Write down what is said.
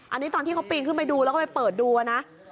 อันนี้ตอนที่เขาปีนขึ้นไปดูแล้วก็ไปเปิดดูนะ